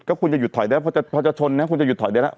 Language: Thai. ก็คุณจะหยุดถอยได้พอจะชนนะคุณจะหุยได้แล้ว